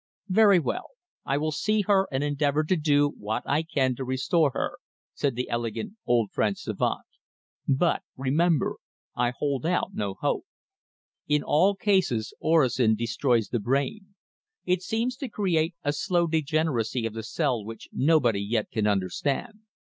"Very well. I will see her and endeavour to do what I can to restore her," said the elegant old French savant. "But, remember, I hold out no hope. In all cases orosin destroys the brain. It seems to create a slow degeneracy of the cells which nobody yet can understand.